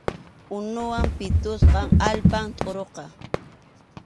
Unuwan pitusqa allpam tʼuruqa.